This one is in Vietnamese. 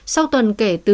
sau tuần kể từ